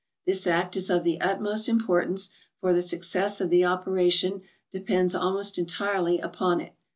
This act is of the utmost importance, for the success of the operation depends almost entirely upon it.